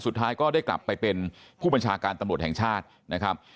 สุดท้ายก็ได้กลับไปเป็นผู้บัญชาการตำรวจแห่งชาตินะครับ